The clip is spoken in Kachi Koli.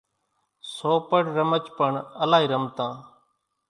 سوپڙِ رمچ پڻ الائِي رمتان۔